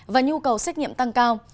và nhu cầu xét nghiệm tăng cao